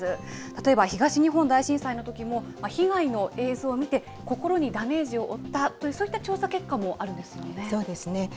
例えば東日本大震災のときも、被害の映像を見て、こころにダメージを負った、そういう調査結果もそうですね。